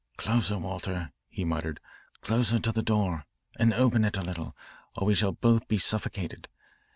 "Closer, Walter," he muttered, "closer to the door, and open it a little, or we shall both be suffocated.